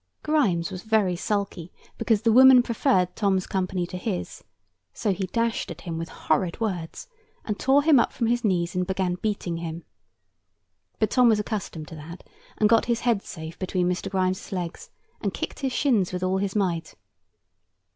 Grimes was very sulky, because the woman preferred Tom's company to his; so he dashed at him with horrid words, and tore him up from his knees, and began beating him. But Tom was accustomed to that, and got his head safe between Mr. Grimes' legs, and kicked his shins with all his might.